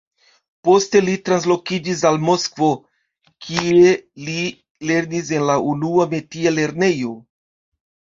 Poste li translokiĝis al Moskvo, kie li lernis en la Unua Metia lernejo.